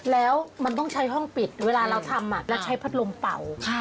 แล้วมันต้องใช้ห้องปิดเวลาเราทำเราใช้พัดลมเป่า